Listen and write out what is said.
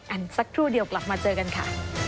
กันสักทั่วเดียวกลับมาเจอกันค่ะ